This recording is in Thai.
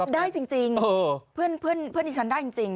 ได้จริงเพื่อนที่ฉันได้จริง